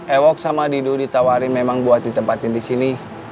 ewok sama didu ditawarin memang buat ditempatin di sini